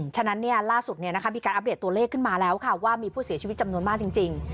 ฉะนั้นล่าสุดมีการอัปเดตตัวเลขขึ้นมาแล้วค่ะว่ามีผู้เสียชีวิตจำนวนมากจริง